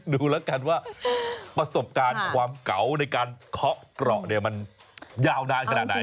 ดูแล้วกันว่าประสบการณ์ความเก่าในการเคาะเกราะเนี่ยมันยาวนานขนาดไหน